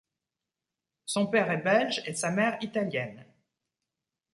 Son père est belge et sa mère italienne.